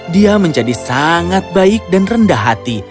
dia menjadi sangat baik dan rendah hati